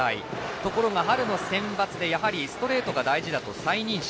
ところが春のセンバツでストレートが大事だと再認識。